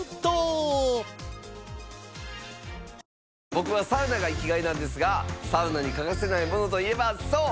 僕はサウナが生きがいなんですがサウナに欠かせないものといえばそう！